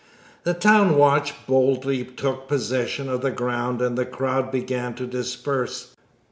The town watch boldly took possession of the ground, and the crowd began to disperse.